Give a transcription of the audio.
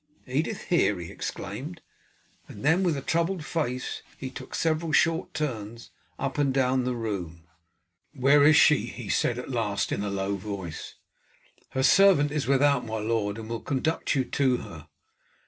"Edith here!" he exclaimed, and then with a troubled face he took several short turns up and down the room. "Where is she?" he said at last in a low voice. "Her servant is without, my lord, and will conduct you to her."